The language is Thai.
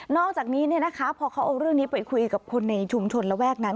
อกจากนี้พอเขาเอาเรื่องนี้ไปคุยกับคนในชุมชนระแวกนั้น